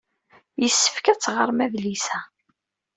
Yessefk ad teɣrem adlis-a.